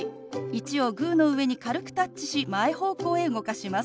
「１」をグーの上に軽くタッチし前方向へ動かします。